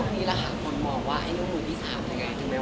มีราคาขวนบอกว่าที่มีคำสั่งไกล